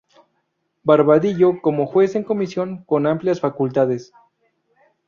Barbadillo, como juez en comisión, con amplias facultades.